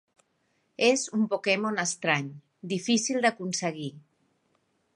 És un Pokémon estrany, difícil d'aconseguir.